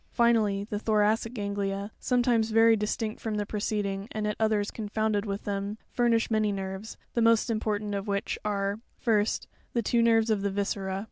Finally, the thoracic ganglia, sometimes very distinct from the preceding, and at others confounded with them (see fig. 6, page 17), furnish many nerves, the most import ant of which are, Ist, The two nerves of the viscera (fig.